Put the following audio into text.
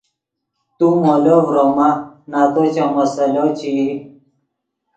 تو مولو ڤروما نتو چے مسئلو چے ای